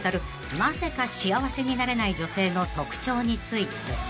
なぜか幸せになれない女性の特徴について］